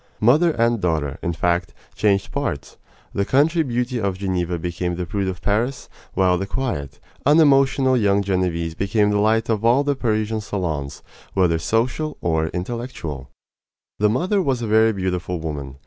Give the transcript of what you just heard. Mother and daughter, in fact, changed parts. The country beauty of Geneva became the prude of Paris, while the quiet, unemotional young Genevese became the light of all the Parisian salons, whether social or intellectual. The mother was a very beautiful woman.